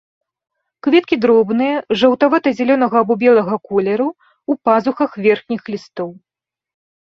Кветкі дробныя, жаўтавата-зялёнага або белага колеру, у пазухах верхніх лістоў.